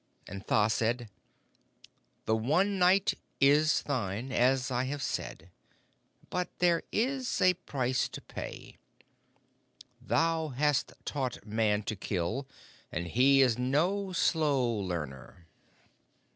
And Tha said: 'The one Night is thine, as I have said, but there is a price to pay. Thou hast taught Man to kill, and he is no slow learner.'